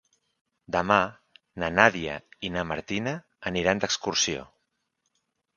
Demà na Nàdia i na Martina aniran d'excursió.